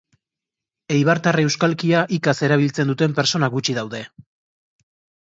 Eibartar euskalkia hikaz erabiltzen duten persona gutxi daude